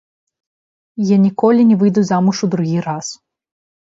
Я ніколі не выйду замуж у другі раз!